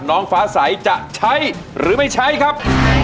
น้องฟ้าใสจะใช้หรือไม่ใช้ครับ